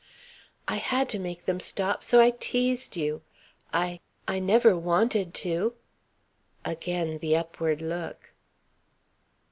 "I had to make them stop, so I teased you. I I never wanted to." Again the upward look.